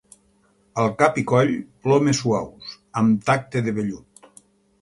Al cap i coll, plomes suaus, amb tacte de vellut.